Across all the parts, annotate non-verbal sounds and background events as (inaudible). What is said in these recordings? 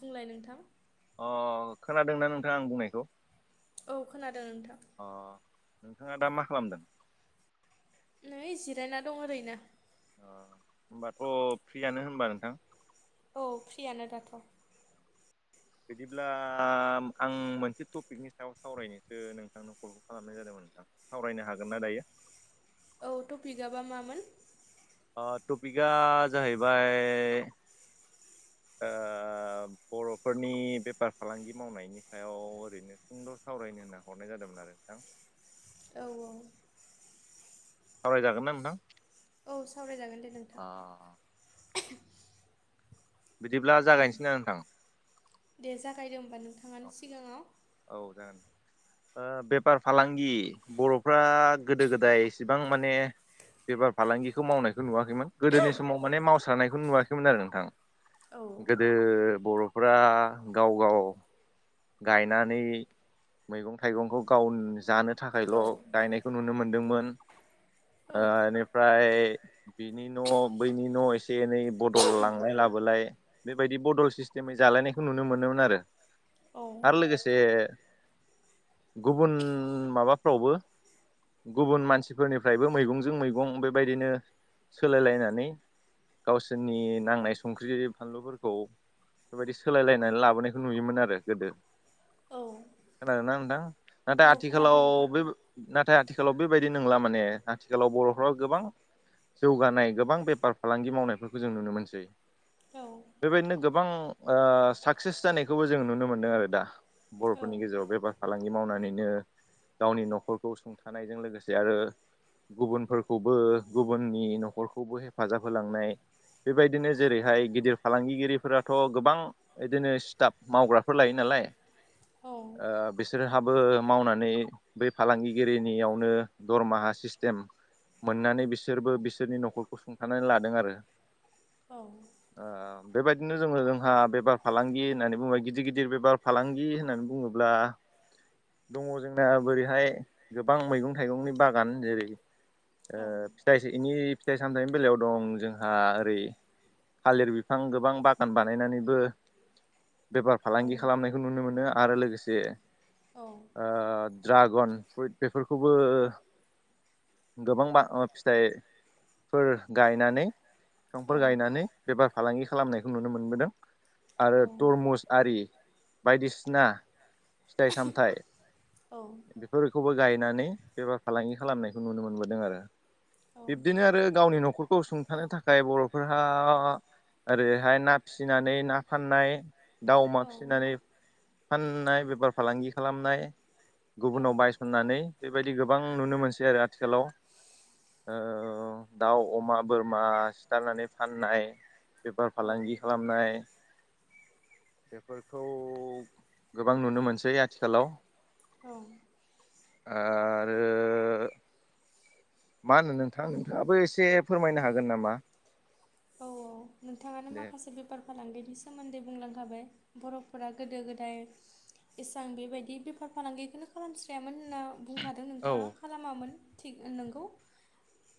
बुंलाय नोंथां अ खोनादोंना नोंथां आं बुंनायखौ? औ खोनादों नोंथां। अ नोंथाङा दा मा खालामदों? नै जिरायना दं ओरैनो। अ होमबाथ फ्रियानो होनबा नोंथां? औ फ्रियानो दाथ। बिदिब्ला आं मोनसे टपिकनि सायाव सावरायनोसो नोंथांनो कलखौ खालामनाय जादोंमोन थां सावरायनो हागोन ना दायो? औ टपिक बा मामोन? ओ टपिकआ जाहैबाय ओ बरफोरनि बेफार फालांगि मावनायनि सायाव ओरैनो सुंद सावराय होनना हरनाय जादोंमोन आरो नोंथां। औ औ खावरायजागोन ना नोंथां? औ सावरायजागोन दे अ नोंथां बिदिब्ला जागायनोसै ना नोंथां दे जागायदो होनबा नोंथाङानो सिगांङाव (inaudible) ओ बेफार फालांगि बर'फ्रा गोदो गोदाय इसेबां माने बेफार फालांगिखौ मावनायखौ नुवा खैमोन गोदोनि समाव माने मावसारनायखौ नुवाखैमोन आरो नोंथां औ गोदो बर'फोरा गाव गाव गायनानै मैगं थाइगंखौ गाव जानो थाखायल' औ गायनायखौ नुनो मोनो। दोंमोन ओ इनिफ्राय बिनि न बैनि न' एसे एनै बदल लांलाय लाबोलाय बेबायदि बदल सिस्टेमै जालायनायखौ नुनो मोनोमोन आरो औ आरो लोगोसे गुबुन माबाफ्रावबो गुबुन मानसिफोरनिफ्रायबो मैगंजों मैगं बेबायदिनो सोलायलायनानै गावसोरनि नांनाय संख्रि फानलुफोरखौ बेबायदि सोलायलायनानै लाबोनायखौ नुयोमोन आरो गोदो औ खोनादों ना नोंथां नाथाय औ खोनादों आथिखालाव नोंथां बे नाथाय आथिखालाव बेबायदि नंला माने आथिखालाव बर' फोराव गोबां जौगानाय गोबां बेफार फालांगि मावनायफोरखौ जों नुनो मोनसै औ बेबायदिनो गोबां ओ साक्सेस जानायखौबो जों नुनो मोनदों आरो दा औ बर'फोरनि गेजेराव बेफार फालांगि मावनानैनो गावनि न'खरखौ सुंथानायजों लोगोसे आरो गुबुनफोरखौबो गुबुननि न'खरखौबो हेफाजाब होलांनाय बेबायदिनो जेरैहाय गिदिर फालांगिरिफोराथ' गोबां बिदिनो स्टाफ मावग्रा फोर लायो नालाय औ ओ बिसोरहाबो मावनानै बै फालांगिगिरिनियावनो दरमाहा सि सिथिम मोननानै बिसोरबो बिसोरनि न'खरखौ सुंथानानै लादों आरो औ बेबाफैरबादिनो जोङो जोंहा बेफार फालांगि होननानै बुंङोबा गिदिर गिदिर गिदिर बेफार फालांगि होननानै बुङोब्ला दङ जोंना बोरैहाय गोबां मैगं-थाइगंनि बागान जेरै ओ औ फिथाइनि फिथाइ सामथाइनि बेलायाव दं जोंहा ओरै थालिर बिफां गोबां बागान बानायनानैबो बे औ फालांगि खालामनायखौ नुनो मोनो आरो लोगोसे औ ओह ड्रागन फ्रुइट बेफोरखौबो गोबां फिथाइफोर गायनानै बिफांफोर गायनानै बेफार फालांगि खालामनायखौ नुनो मोनबोदों आरो तरमुस बि बायदिसिना फिथाइ सामथाय बेफोरखौबो गायनानै बेफार फालांगि खालामनायखौ नुनो मोनबोदों आरो बिब्दिनो आरो गावनि न'खरखौ सुंथानो थाखाय बर'फोराहा ओरैहाय ना फिसिनानै ना फाननाय दाउ अमा फिसिनानै फाननाय बेफार फालांगि खालामनाय गुबुनाव बायसननानै बेबायदि गोबां नुनो मोनसै आरो आथिखालाव ओ दाउ अमा बोरमा सिथारनानै फाननाय बेफार औ फालांगि खालामनाय बेफोरखौ गोबां नुनो मोनसै आथिखालाव औ आरो मा होनो नोंथां नोंथाङाबो एसे फोरमायनो हागोन नामा नोंथाङा दे माखासे बेफार फालांगिनि सोमोन्दै बुंलांखाबाय बर'फोरा गोदो गोदाय एसां बेबायदि बेफार फालांगिखौनो खालामस्रायामोन होनना बुंखादों औ नोंथाङा खालामामोन थिग नंगौ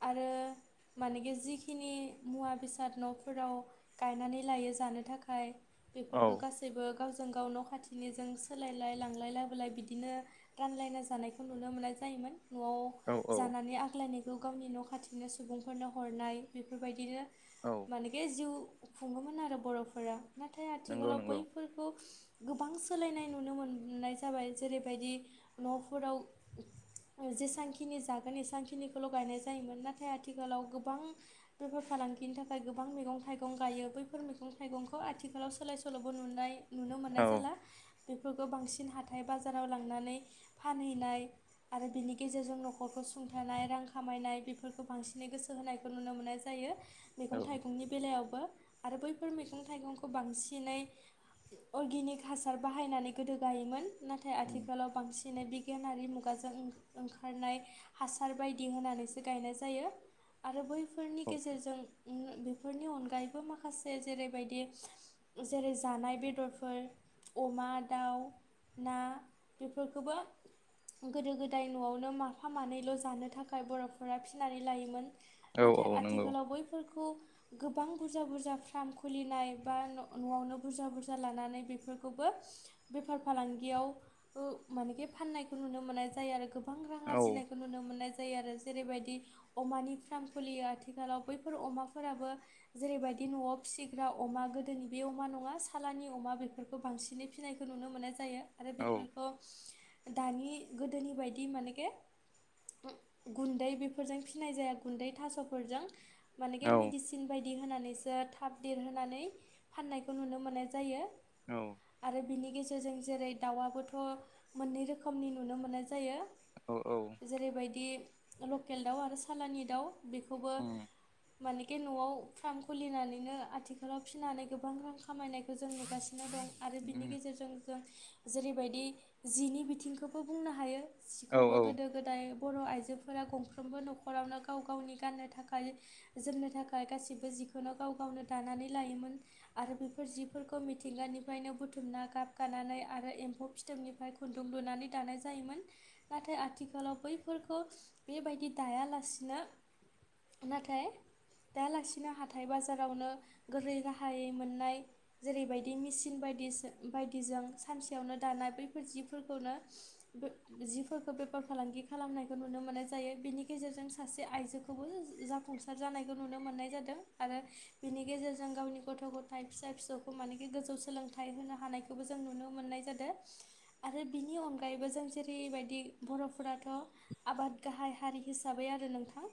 आरो फोराव गायनानै लायो जानो थाखाय औ बेफोरखौ गासैबो गावजों गाव न' खाथिनिजों सोलायलाय लांलाय लाबोलाय बिदिनो रानलायना जानायखौ नुनो मोननाय। जायोमोन न'आव औ औ जानानै आग्लायनाय बे गावनि न' खाथिनो सुबुंफोरनो हरनाय बेफोरबायदिनो औ मानोकि जिउ खुङोमोन आरो बर'फोरा नाथाय नंगौ आथिखालाव नंगौ बैफोरखौ गोबां सोलायनाय नुनो मोननाय जाबाय जेरैबायदि न'फोराव जेसांखिनि जागोन एसांखिनिखौल' गायनाय जायोमोन नाथाय आथिखालाव गोबां बेफार फालांगिनि थाखाय (unintelligible) गोबां मैगं थाइगं गायो बैफोर मैगं थाइगंखौ आथिखालाव सोलाय सोल'बो नुनाय नुनो औ मोननाय जाला बेफोरखौ बांसिन हाथाय बाजाराव लांनानै फानहैनाय आरो बेनि गेजेरजों न'खर गसुंथानाय रां खामायनाय बेफोरखौ बांसिनै गोसो होनायखौ नुनो मोननाय जायो। मैगं औ थाइगंनि बेलायावबो आरो बैफोर मैगं थाइगंखौ बांसिनै अर्गेनिक हासार बाहायनानै गोदो गायोमोन नाथाय उम आथिखालाव बांसिन बिदिनो बिगियानारि मुगाजों ओंखारनाय हासार बायदि होनानैसो गायनाय जायो आरो बैफोरनि औ गेजेरजों (inaudible) बेफोरनि अनगायैबो माखासे जेरैबायदि जेरै जानाय बेदरफोर अमा दाउ ना बेफोरखौबो गोदो गोदाय न'आवनो माफा मानैल' जानो थाखाय बर'फोरा फिनानै लायोमोन नाथाय औ नंगौ आथिखालाव बैफोर (inaudible) गोबां बुरजा बुरजा फार्म खुलिनाय बा न'आवनो बुरजा बुरजा लानानै बेफोरखौबो बेफार फालांगियाव ओ मानो फाननायखौ नुनो मोननाय जायो आरो गोब गोबां रां औ आरजिनायखौ नुनो मोननाय (unintelligible) जेरैबायदि अमानि फ्राम खुलियो आथिखालिव बैफोर अमाफोरखौ फोराबो जेरैबायदि न'आव फिसिग्रा अमा गोदोनि बे अमा नङा सालानि अमा बेफोरखौ बांसिन बांसिनै फिसिनायखौ नुनो मोननाय जायो आरो औ बेफोरखौ दानि गोदोनि बायदि मानेखे (unintelligible) गुन्दै बेफोरजों फिसिनाय जाया गुन्दै थास'फोरजों बे मेडिसिन बायदि होनानैसो थाब देरहोनानै फाननायखौ नुनो मोननाय जायो औ आरो बिनि गेजेरजों जेरै दाउआबोथ' मोननै रोखोमनि नुनो मोननाय जायो औ औ जेरैबायदि लकेल दाउ आरो सालानि दाउ बेखौबो उम मानेखे न'आव फार्म खुलिनानैनो आथिखालाव फिसिनानै गोबां रां खामायनायखौ जों नुगासिनो दं आरो बिनि उम गेजेरजों जों जेरैबायदि जिनि बिथिंखौबो बुंनो हायो औ सिखौबो गोदो गोदाय बर' आइजोफोर आइजोफोरा गंफ्रोमबो न'खरावनो गाव गावनि गाननो थाखाय जोमनो थाखाय गासिबो जिखौनो गाव गावनो दानानै लायोमोन आरो बेफोर जिफोरखौ मिथिंगानि निफ्रायनो बुथुमना गाब गानानै आरो एम्फौ फिथोबनिफ्राय खुन्दुं लुनानै दानाय जायोमोन नाथाय आथिखालाव बैफोरखौ बेबायदि दायालासिनो नाथाय दालासिनो हाथाय बाजारावनो गोरै गाहायै मोननाय जेरैबायदि मिसिन बायदि बायदिजों सानसेयावनो दानाय बैफोर जिफोरखौनो बेफार फालांगि खालामनायखौ नुनो मोननाय जायो बिनि गेजेरजों सासे आइजोखौबो जाफुंसार जानायखौ नुनो मोननाय जादों आरो बिनि गेजेरजों गावनि गथ' गथाय फिसा फिसौखौ माने गेदेर गोजौ सोलोंथाइ होनो हानायखौबो जों नुनो मोननाय जादों आरो बिनि अनगायैबो जों जेरैबायदि बिदि बर'फोराथ' आबाद गाहाय हारि हिसाबै आरो नोंथां।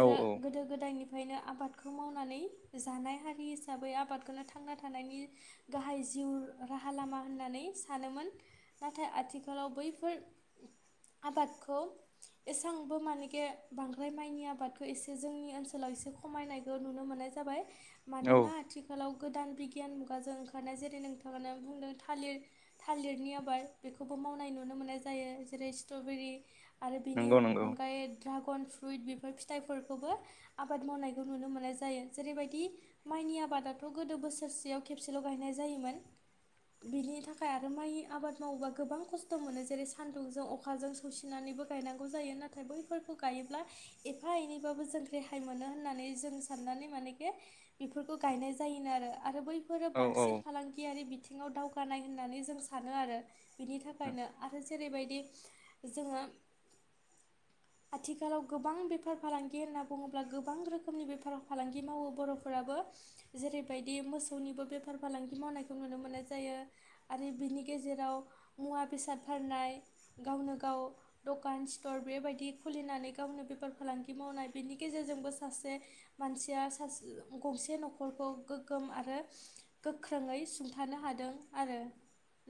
औ औ गोदो गोदायनिफ्राय ओंखायनो आबादखौ मावनानै जानाय हारि हिसाबै आबादखौनो थांना थानायनि गाहाय जिउ राहा लामा होननानै सानोमोन। नाथाय आथिखालाव बैफोर आबादखौ एसेबांबो माने गे बांद्राय माइनि आबादखौ एसे जोंनि ओनसोलाव एसे खमायनायखौ नुनो मोननाय जाबाय। मानोना औ आथिखालाव गोदान बि गियान मुगाजों ओंखारनाय जेरै नोंथाङा बुंदों थालिर, थालिरनि आबाद बेखौबो मावनाय नुनो मोन मनाय जायो। जेरै स्ट्र'बेरि आरो बेनि नंगौ नंगौ अनगायै ड्रागन फ्रुइट बेफोर फिथाइफोर खौबो आबाद मावनायखौ नुनो मोननाय जायो। जेरैबायदि माइनि आबादाथ' गोदो बोसोरसेयाव खेबसेल' गायनाय जायोमोन। बिनि थाखाय आरो माइ आबाद मावोबा गोबां खस्थ' मोनो जेरै सान्दुंजों अखाजों सौसिनानै बो गायनांगौ जायो। नाथाय बैफोरखौ गायोब्ला एफा एनै बाबो जों रेहाय मोनो होननानै जों साननानै मानेे बेफोरखौ गायनाय जायोनो आरो, आरो बै फोर औ औ बांसिन फालांगियारि बिथिङाव दावगानाय होननानै जों सानो आरो बिनि थाखायनो आरो जेरैबायदि जोङो (inaudible) आथिखालाव गोबां बेफोर फालांगि होनना बुङोब्ला गोबां रोखोमनि बेफार फालांगि मावो बर'फोराबो जेरैबायदि मोसौनिबो बेफार फालांगि मावनायखौ नुनो मोननाय जायो आरो बिनि गेजेराव मुवा बेसाद फान्नाय, गावनो गाव दखान सिथर बेबायदि खुलिनानै गावनो बेफार फालांगि मावनाय, बेनि गेजेरजोंबो सासे मानसिया सासे गंसे न'खरखौ गोग्गोम आरो गोख्रोङै सुंथानो हादों आरो।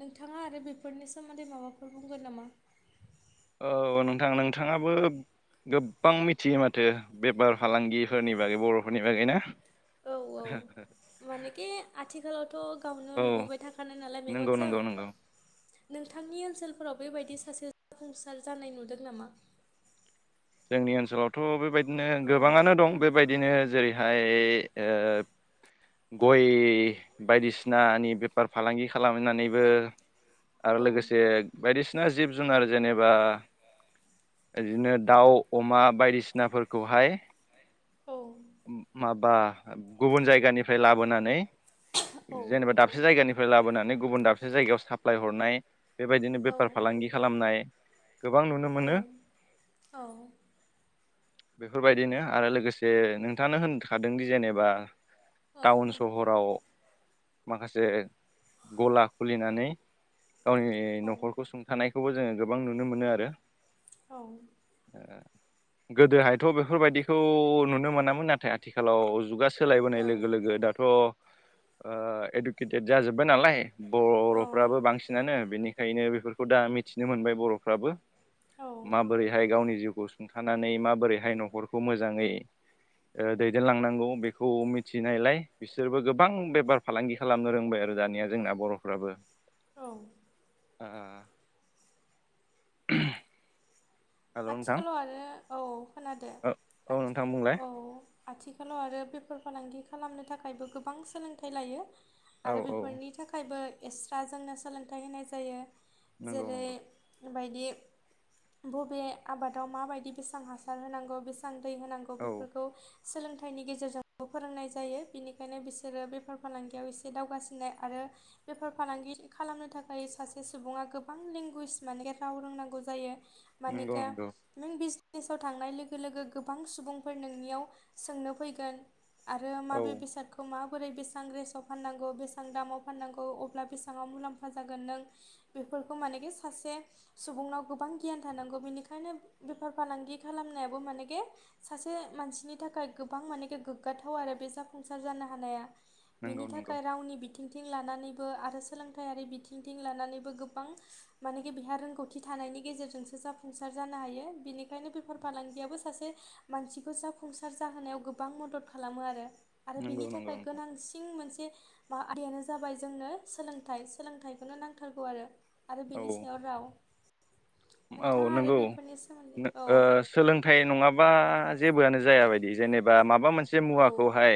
नोंथाङा आरो बेफोरनि सोमोन्दै माबाफोर बुंगोन नामा? औ नोंथां नोंथाङाबो गोबां मिथियो माथो बेफार फालांगिफोरनि बागै बर'फोरनि बागै ना? औ औ (inaudible) मानेखि आथिखालावथ' गावनो औ नुबोबाय थाखानाय नालाय नंगौ मेगनजों। नंगौ नंगौ नोंथांनि ओनसोलफोराव बेबायदि सासे जाफुंसार जानाय नुदों नामा? जोंनि ओनसोलावथ' बेबायदिनो औ गोबाङानो दं बेबायदिनो जेरैहाय ओ गय बायदिसिनानि बेफार फालांगि खालामनानैबो आरो औ लोगोसे बायदिसिना जिब जुनार जेनेबा बिदिनो दाउ अमा बायदिसिनाफोरखौहाय औ बा गुबुन जायगानिफ्राय लाबोनानै औ जेनेबा दाबसे जायगानिफ्राय लाबोनानै गुबुन दाबसे जायगायाव साप्लाय हरनाय बेबायदिनो औ बेफार फालांगि खालामनाय गोबां नुनो औ मोनो। औ। बेफोरबायदिनो आरो लोगोसे नोंथाङानो होनखादोंदि जेनेबा टाउन सहराव माखासे गला खुलिनानै गावनि न'खरखौ सुंथानाय खौबो जोङो गोबां नुनो मोनो आरो। औ। गोदोहायथ' बेफोरबायदिखौ नुनो मोनामोन नाथाय आथिखालाव जुगा सोलायबोनाय लोगो औ लोगो दाथ' ओ इडुकेटेड जाजोब्बाय नालाय बर'फ्राबो बांसिनानो, बेनिखायनो बेफोरखौ दा मिथिनो मोनबाय बर'फ्राबो औ। माबोरैहाय गावनि जिउखौ सुंथानानै माबोरैहाय न'खरखौ मोजाङै ओ दैदेनलांनांगौ बेखौ मिथिनायलाय बिसोरबो गोबां बेफार फालांगि खालामनो रोंबाय आरो दानिया जोंनिया बर'फ्राबो। औ। ओ (unintelligible) हेल' नोंथां आथिखालाव आरो औ खोनादो औ औ आथि नोंथां बुंलाय औ। आथिखालाव आरो बेफार फालांगि खालामनो थाखायबो गोबां सोलोंथाइ लायो। औ आरो औ बेफोरनि थाखायबो एस्रा जोंनो सोलोंथाइ होनाय जायो। नंगौ जेरै नंगौ बायदि बबे आबादाव माबायदि बेसां हासार होनांगौ बेसेबां दै होनांगौ औ बेफोरखौ सोलोंथाइनि गेजेरजोंबो फोरोंनाय जायो बिनिखायनो बिसोरो बेफार फालांगियाव एसे दावगासिननाय आरो बेफार फालांगि खालामनो थाखाय सासे सुबुङा गोबां लेंगुवेज माने राव रोंनांगौ जायो। नंगौ मानिका नंगौ नों बिस बिसनेस आव थांनाय लोगो लोगो गोबां सुबुंफोर नोंनियाव सोंनो फैगोन। आरो औ माबे बेसादखौ मा बोरै बेसेबां रेसाव फाननांगौ बेसां दामाव फाननांगौ अब्ला बेसेबां आव मुलाम्फा जागोन नों बे फोरखौ मानेखि सासे सुबुंनाव गोबां गियान थानांगौ बिनिखाय (inaudible) बेफार फालांगि खालामनायाबो मानेेखि सासे मानसिनि थाखाय गोबां मानेेखि गोग्गाथाव आरो बे जाफुंसार जानो हानाया बेनि नंगौ नंगौ थाखाय रावनि बिथिंथिं लानानैबो आरो सोलोंथायारि बिथिंथिं लानानैबो गोबां मानेखि बेहा रोंगौथि था जानायनि गेजेरजोंसो जाफुंसार सार जानो हायो बेनिखायनो बेफार फालांगियाबो सासे मानसिखौ जाफुंसार जाहोनायाव गोबां मदद खालामो आरो आरो नंगौ बिनि नंगौ थाखाय नोंथां गोनांसिन मोनसे मा आयदायानो जाबाय जोंनो सोलोंथाइ सोलोंथाइखौनो नांथारगौ आरो। आरो औ बेनि सायाव राव नोंथाङा आरो औ नंगौ बेफोरनि सोमोन्दै औ ओ सोलोंथाइ नङाबा जेबोआनो जायाबायदि जेनेबा माबा मोन से औ मुवाखौहाय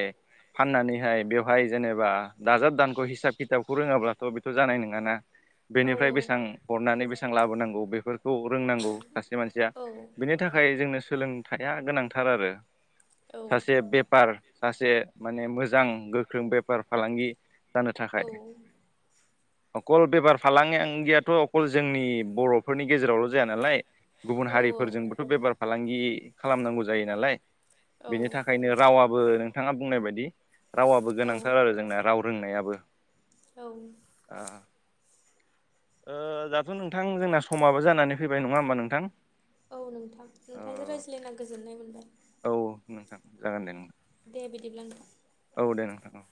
फाननानैहाय बेवहाय जेनेबा दाजाब दानख' हिसाब खिथाबखौ रोङाब्लाथ' बेथ' जानाय नोङाना। औ बेनिफ्राय बेसेबां हरनानै बेसेबां लाबोनांगौ बेफोर खौ रोंनांगौ सासे मानसिया औ बिनि थाखाय जोंनो सोलोंथाइया गोनांथार आरो औ सासे बेफार सासे माने मोजां गोख्रों बेफार फालांगि जानो औ थाखाय अखल बेफार फालांगियाथ' अखल जोंनि बर'फोरनि गेजेरावल' जाया नालाय। गुबुन औ हारिफोरजोंबोथ' बेफार फालांगि खालामनांगौ जायो नालाय। औ बेनि थाखायनो रावाबो नोंथाङा बुंनाय बायदि। रावाबो औ गोनांथार आरो जोंना राव रोंनायाबो। औ। ओ दाथ' नोंथां जोंना समाबो जानानै फैबाय नङा होमबा नोंथां? औ नोंथां नोंथांजों रायज्लायना गोजोननाय मोनबाय। औ नोंथां जागोन दे नोंथां। दे बिदिब्ला नोंथां। औ दे नोंथां औ।